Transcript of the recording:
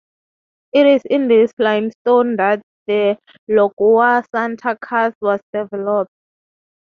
It is in this limestone that the Lagoa Santa Karst was developed.